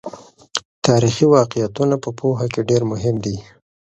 تاریخي واقعیتونه په پوهه کې ډېر مهم دي.